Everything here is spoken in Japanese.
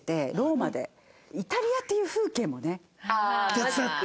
手伝って。